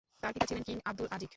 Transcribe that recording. তার পিতা ছিলেন কিং আব্দুলআজিক।